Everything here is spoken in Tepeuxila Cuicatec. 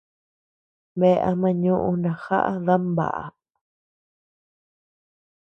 Bea ama ñoʼo najaʼa dami baʼa.